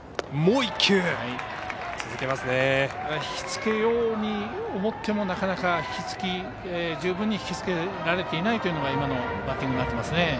引きつけようと思ってもなかなか十分に引きつけられていないというのが今のバッティングになってますね。